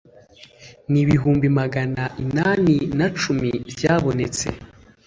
n ibihumbi magana inani na cumi byabonetse